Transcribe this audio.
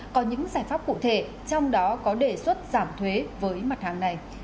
có những giải pháp cụ thể trong đó có đề xuất giảm thuế với mặt hàng này